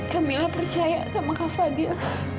kamilah percaya sama kafa dia